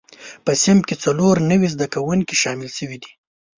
په صنف کې څلور نوي زده کوونکي شامل شوي دي.